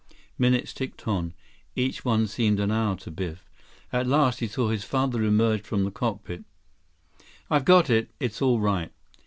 Minutes ticked on. Each one seemed an hour to Biff. At last, he saw his father emerge from the cockpit. "I've got it. It's all right."